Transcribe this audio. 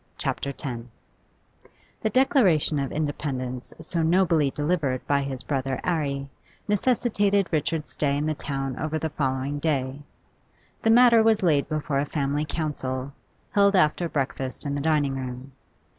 CHAPTER X The declaration of independence so nobly delivered by his brother 'Arry necessitated Richard's stay in town over the following day. The matter was laid before a family council, held after breakfast in the dining room.